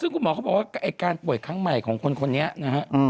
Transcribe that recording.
ซึ่งคุณหมอเขาบอกว่าไอ้การป่วยครั้งใหม่ของคนนี้นะฮะ